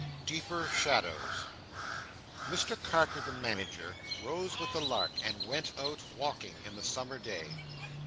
Deeper Shadows Mr Carker the Manager rose with the lark, and went out, walking in the summer day.